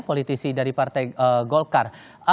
politisi dari partai golkar